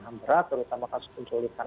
hambat terutama kasus penculikan